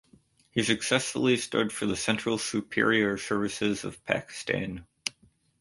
He successfully stood for the Central Superior Services of Pakistan.